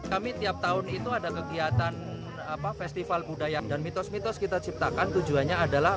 kami tiap tahun itu ada kegiatan festival budaya dan mitos mitos kita ciptakan tujuannya adalah